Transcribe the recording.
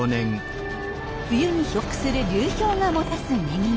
冬に漂着する流氷がもたらす恵み。